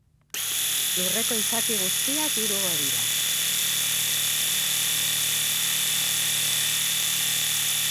Lurreko izaki guztiak hilko dira.